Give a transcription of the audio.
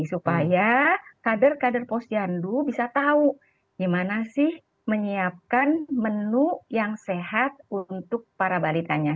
supaya kader kader posyandu bisa tahu gimana sih menyiapkan menu yang sehat untuk para balitanya